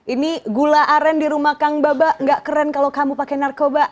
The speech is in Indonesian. ini gula aren di rumah kang babak gak keren kalau kamu pakai narkoba